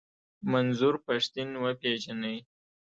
منظور پښتين و پېژنئ.